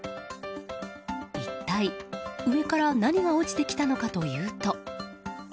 一体、上から何が起きてきたのかというと。